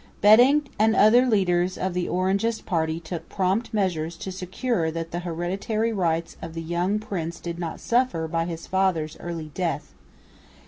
Bentinck and other leaders of the Orangist party took prompt measures to secure that the hereditary rights of the young prince did not suffer by his father's early death.